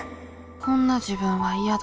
「こんな自分は嫌だ」。